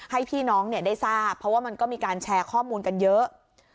ให้พี่น้องได้ทราบเพราะว่ามันก็มีการแชร์ข้อมูลกันเยอะ